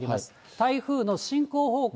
台風の進行方向